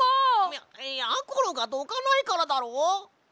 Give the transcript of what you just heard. ややころがどかないからだろ！